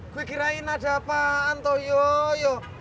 gue kirain ada apaan toh yoyo